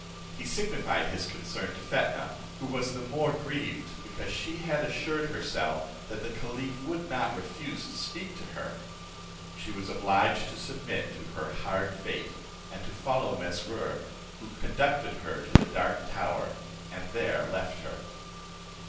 He signified his concern to Fetnah, who was the more grieved because she had assured herself, that the caliph would not refuse to speak to her. She was obliged to submit to her hard fate, and to follow Mesrour, who conducted her to the dark tower, and there left her.